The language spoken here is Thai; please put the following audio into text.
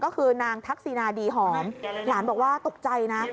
ก็คือนางทักษินาดีหอมหลานบอกว่าตกใจนะ